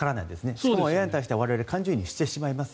しかも我々はＡＩに対して感情移入をしてしまいます。